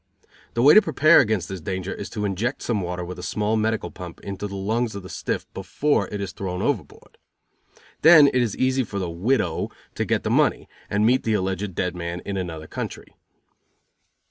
The way to prepare against this danger is to inject some water with a small medical pump into the lungs of the stiff before it is thrown overboard. Then it is easy for the "widow" to get the money, and meet the alleged dead man in another country.